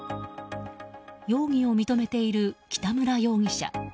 容疑を認めている北村容疑者。